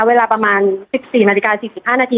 เวลาประมาณ๑๔นาฬิกา๔๕นาที